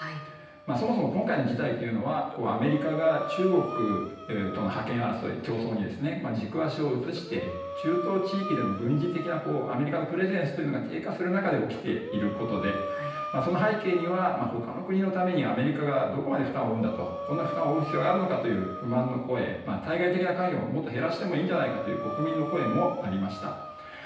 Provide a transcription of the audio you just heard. そもそも今回の事態というのはアメリカが中国との覇権争い、競争に軸足を移し中東地域での軍事的なアメリカのプレゼンスというのが低下する中で起きていることでその背景にはほかの国のためにアメリカがどこまで負担を負うんだと、こんな負担を負う必要があるのかという不満の声、対外的な関与を減らしてもいいじゃないかという国民の声、ありました。